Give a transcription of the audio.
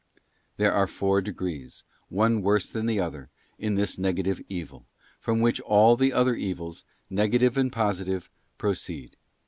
There are four degrees, one worse than the other, in this negative evil, from which all the other evils, negative and positive, proceed.